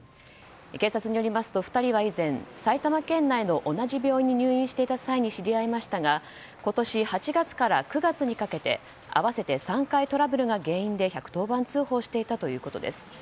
警察によりますと、２人は以前埼玉県内の同じ病院に入院していた際に知り合いましたが今年８月から９月にかけて合わせて３回トラブルが原因で１１０番通報していたということです。